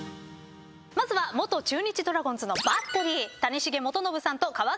まずは元中日ドラゴンズのバッテリー谷繁元信さんと川上憲伸さんです。